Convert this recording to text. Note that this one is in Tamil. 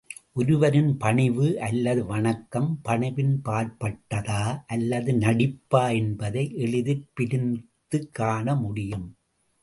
ஒருவரின் பணிவு அல்லது வணக்கம் பணிவின் பாற்பட்டதா அல்லது நடிப்பா என்பதை எளிதிற் பிரித்துக் காணமுடியும்.